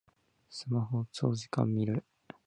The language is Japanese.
スマホを長時間みる